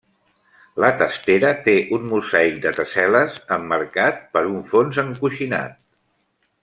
La testera té un mosaic de tessel·les emmarcat per un fons encoixinat.